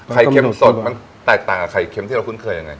เค็มสดมันแตกต่างกับไข่เค็มที่เราคุ้นเคยยังไง